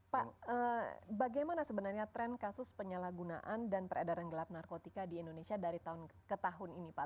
pak bagaimana sebenarnya tren kasus penyalahgunaan dan peredaran gelap narkotika di indonesia dari tahun ke tahun ini pak